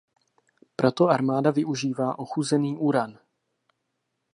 Proto armáda využívá ochuzený uran.